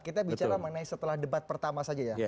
kita bicara mengenai setelah debat pertama saja ya